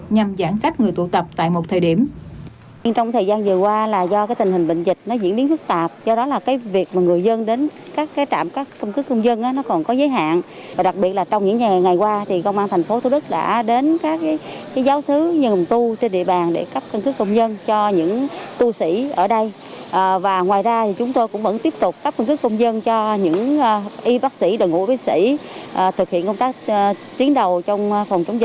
nhằm giãn cách người tụ tập tại một thời điểm